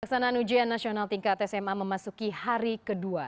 pelaksanaan ujian nasional tingkat sma memasuki hari kedua